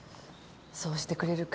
そうしてくれるか。